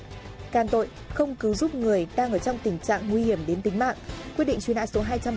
càn tội không cứu giúp người đang ở trong tình trạng nguy hiểm đến tính mạng